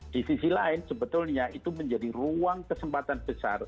di sisi lain sebetulnya itu menjadi ruang kesempatan besar